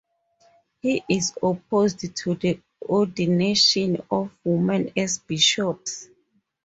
He is opposed to the ordination of women as bishops.